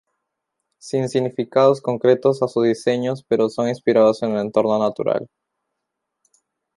Sin significados concretos a sus diseños, pero son inspirados en el entorno natural.